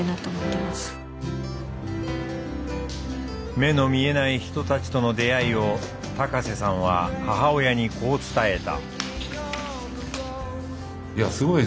目の見えない人たちとの出会いを高瀬さんは母親にこう伝えた。